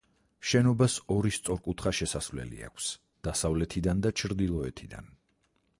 შენობას ორი, სწორკუთხა შესასვლელი აქვს: დასავლეთიდან და ჩრდილოეთიდან.